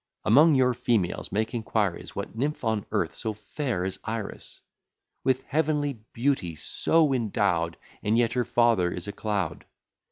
Among your females make inquiries, What nymph on earth so fair as Iris? With heavenly beauty so endow'd? And yet her father is a cloud.